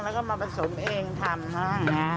แล้วก็มาผสมเองทำมากนะ